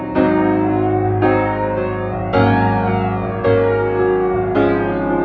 kamu adalah keindahan yang tak bisa dilewat mimpi